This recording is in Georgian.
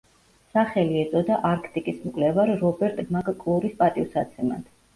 სახელი ეწოდა არქტიკის მკვლევარ რობერტ მაკ-კლურის პატივსაცემად.